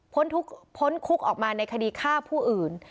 พ้นคุกออกมาในคดีฆ่าผู้อื่น